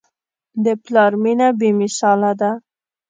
د پلار مینه بېمثاله ده.